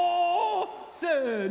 せの！